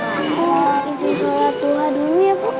ibu izin sholat doa dulu ya bu